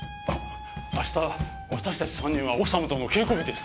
明日私たち３人は奥様との稽古日です。